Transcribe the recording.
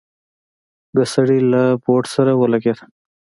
د سړي له بوټ سره ولګېده.